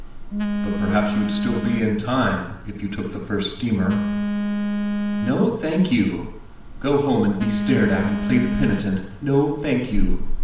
But perhaps you'd still be in time, if you took the first steamer." "No, thank you! Go home and be stared at and play the penitent—no, thank you!